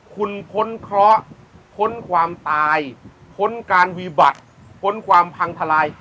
คุณพ้นเคราะห์พ้นความตายพ้นการวีบัติพ้นความพังทลาย